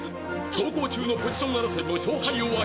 「走行中のポジション争いも勝敗を分ける」